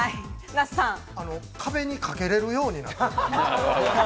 壁に掛けれるようになる。